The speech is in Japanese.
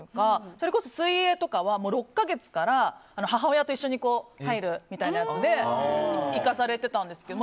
それこそ水泳とかは６か月から母親と一緒に入るみたいなやつで行かされてたんですけど。